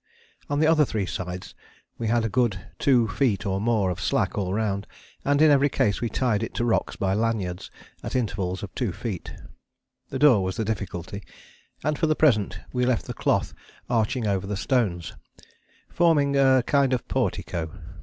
On the other three sides we had a good two feet or more of slack all round, and in every case we tied it to rocks by lanyards at intervals of two feet. The door was the difficulty, and for the present we left the cloth arching over the stones, forming a kind of portico.